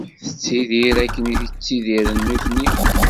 Tettidir akken i ttidiren nutni.